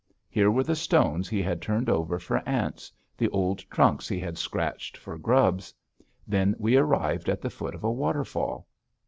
Here were the stones he had turned over for ants, the old trunks he had scratched for grubs. Then we arrived at the foot of a waterfall.